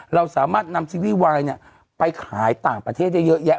เราสามารถนำซีรีส์วายไปขายต่างประเทศได้เยอะแยะ